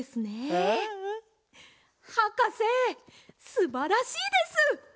はかせすばらしいです！